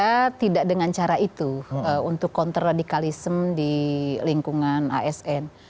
hemat saya tidak dengan cara itu untuk counter radikalisme di lingkungan asn